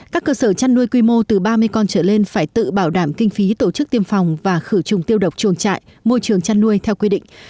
các cơ sở chăn nuôi quy mô từ ba mươi con trở lên phải tự bảo đảm kinh phí tổ chức tiêm phòng và khử trùng tiêu độc chuồng trại môi trường chăn nuôi theo quy định